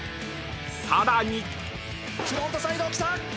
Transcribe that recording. ［さらに］フロントサイドきた！